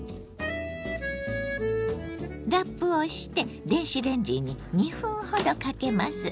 ラップをして電子レンジに２分ほどかけます。